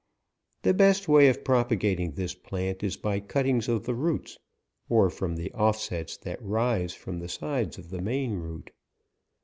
The best way of propagating this plant is by cuttings of the roots, or from the offsets that rise from the sides of the main root.